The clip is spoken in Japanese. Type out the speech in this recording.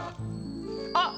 あっ！